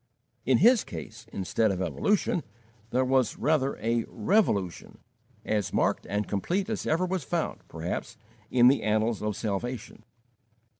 In his case, instead of evolution, there was rather a revolution, as marked and complete as ever was found, perhaps, in the annals of salvation.